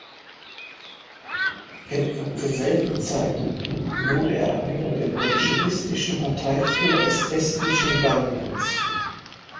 Etwa zur selben Zeit wurde er einer der bolschewistischen Parteiführer des Estnischen Gouvernements.